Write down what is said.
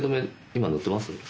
今塗ってます？